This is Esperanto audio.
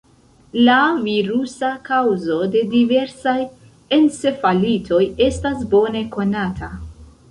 La virusa kaŭzo de diversaj encefalitoj estas bone konata.